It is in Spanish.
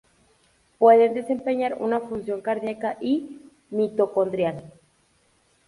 Pueden desempeñar una función cardíaca y mitocondrial.